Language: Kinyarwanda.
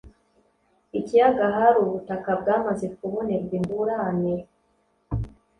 ikiyaga hari ubutaka bwamaze kubonerwa ingurane